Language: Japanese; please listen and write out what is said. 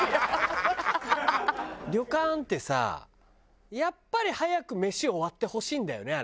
旅館ってさやっぱり早くメシ終わってほしいんだよね